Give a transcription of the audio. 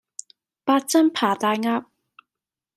八珍扒大鴨